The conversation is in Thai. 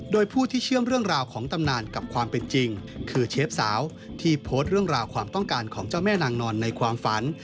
โดยผู้ที่เชื่อมเรื่องราวของตำนานกับความเป็นจริงคือเชฟสาวที่โพสต์เรื่องราวความต้องการของเจ้าแม่นางนอนในความฝัน